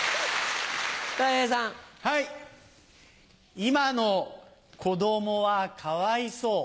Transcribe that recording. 今の子供はかわいそう。